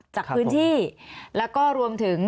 จากพื้นที่แล้วก็รวมถึง